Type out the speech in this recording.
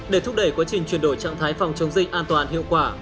để thúc đẩy quá trình chuyển đổi trạng thái phòng chống dịch an toàn hiệu quả